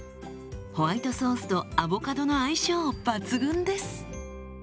ホワイトソースとアボカドの相性抜群です。